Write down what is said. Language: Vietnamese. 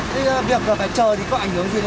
thì việc phải chờ thì có ảnh hưởng gì đến